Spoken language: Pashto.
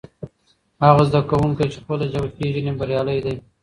هغه زده کوونکی چې خپله ژبه پېژني بریالی دی.